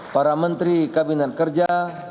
para menteri kabinet kerja